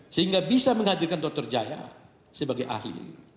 sehingga bisa menghadirkan dr jaya sebagai ahli